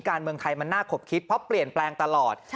การเมืองไทยมันน่าขบคิดเพราะเปลี่ยนแปลงตลอด